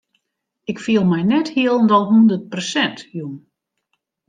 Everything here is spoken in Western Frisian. Ik fiel my net hielendal hûndert persint jûn.